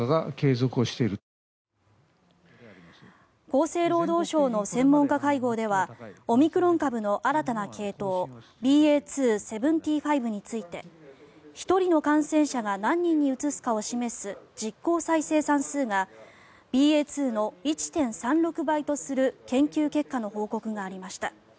厚生労働省の専門家会合ではオミクロン株の新たな系統ＢＡ．２．７５について１人の感染者が何人にうつすかを示す実効再生産数がＢＡ．２の１．３６倍とする研究結果の報告がありました。